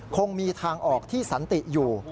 คงมีทางออกที่สันติอยู่